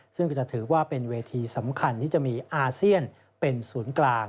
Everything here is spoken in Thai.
ซึ่งก็จะถือว่าเป็นเวทีสำคัญที่จะมีอาเซียนเป็นศูนย์กลาง